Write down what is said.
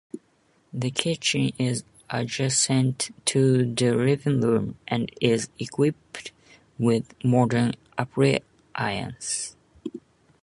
The kitchen is adjacent to the living room and is equipped with modern appliances.